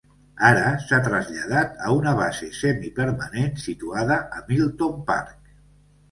Ara s'ha traslladat a una base semipermanent situada a Milton Park.